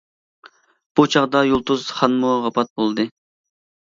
بۇ چاغدا يۇلتۇز خانمۇ ۋاپات بولدى.